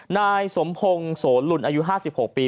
นายสมพงศ์โสลุนอายุ๕๖ปี